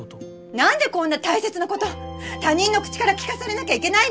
なんでこんな大切なこと他人の口から聞かされなきゃいけないの！